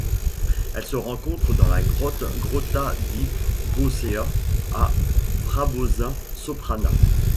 Elle se rencontre dans la grotte Grotta di Bossea à Frabosa Soprana.